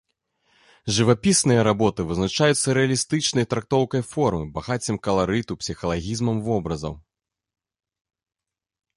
Жывапісныя работы вызначаюцца рэалістычнай трактоўкай формы, багаццем каларыту, псіхалагізмам вобразаў.